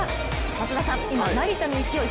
松田さん、今成田の勢い